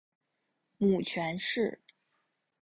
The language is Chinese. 母权氏。